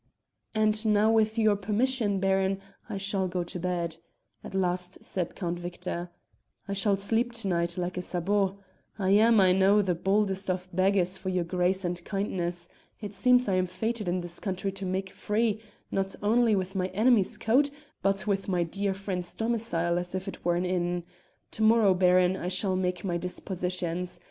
"And now with your permission, Baron, I shall go to bed," at last said Count Victor. "I shall sleep to night, like a sabot. I am, I know, the boldest of beggars for your grace and kindness. It seems I am fated in this country to make free, not only with my enemy's coat, but with my dear friend's domicile as if it were an inn. To morrow, Baron, I shall make my dispositions.